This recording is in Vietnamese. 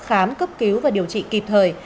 khám cấp cứu và điều trị kịp thời